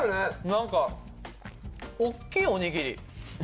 何か大きいおにぎり。